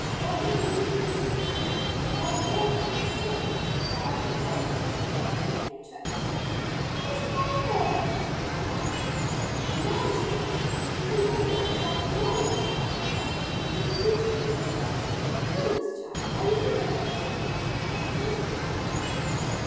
"They were men yes!" said his mother. "And they were lawbreakers, too. I hope the game warden will catch them at their tricks." "What is a game warden?" Nimble asked her. "He's a man," she answered. "He's a man that looks after all of us forest folk and he's the best friend we've got.... Goodness, child! Are you never going to stop asking questions?"